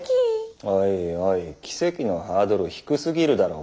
おいおい奇跡のハードル低すぎるだろう。